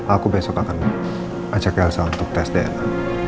aku besok akan ajak elsa untuk tes dna